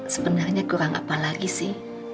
sebenarnya kurang apa lagi sih